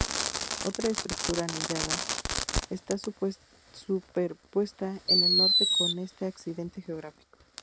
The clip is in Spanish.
Otra estructura anillada está superpuesta en el norte con este accidente geográfico.